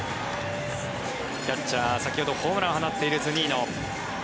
キャッチャー先ほどホームランを放っているズニーノ。